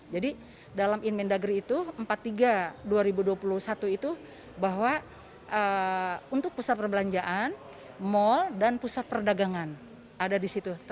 jadi dalam inmen dagri itu empat tiga dua ribu dua puluh satu itu bahwa untuk pusat perbelanjaan mall dan pusat perdagangan ada disitu